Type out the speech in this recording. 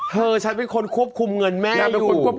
เธอฉันเป็นคนควบคุมเงินแม่ไปดู